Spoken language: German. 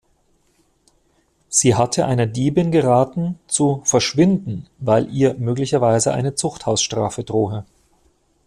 Sie hatte einer Diebin geraten, zu „verschwinden“, weil ihr möglicherweise eine Zuchthausstrafe drohe.